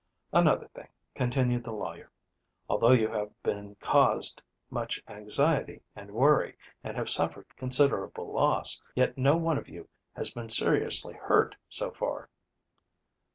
"Another thing," continued the lawyer, "although you have been caused much anxiety, and worry and have suffered considerable loss, yet no one of you has been seriously hurt so far."